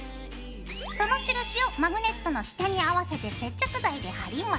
その印をマグネットの下に合わせて接着剤で貼ります。